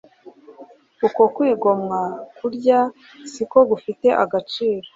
Uko kwigomwa kurya siko gufite agaciro